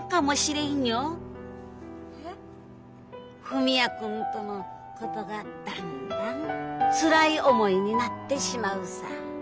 文也君とのことがだんだんつらい思いになってしまうさぁ。